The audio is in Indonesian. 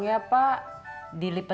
ya si citra